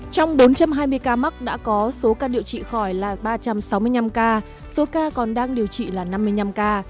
trong bốn trăm hai mươi ca mắc đã có số ca điều trị khỏi là ba trăm sáu mươi năm ca số ca còn đang điều trị là năm mươi năm ca